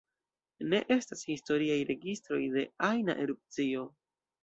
Ne estas historiaj registroj de ajna erupcio.